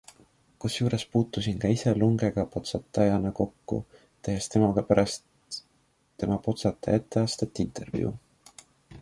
Kusjuures puutusin ka ise Lungega Potsatajana kokku, tehes temaga pärast tema Potsataja etteastet intervjuu.